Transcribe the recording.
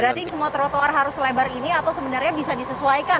berarti semua trotoar harus selebar ini atau sebenarnya bisa disesuaikan